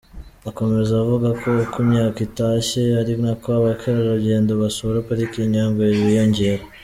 Akomeza avuga ko uko imyaka utashye ari nako abakerarugendo basura Pariki ya Nyungwe biyongera.